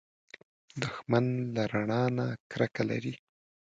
دښمن له رڼا نه کرکه لري